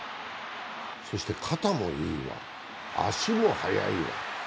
そして肩もいいわ、足も速い。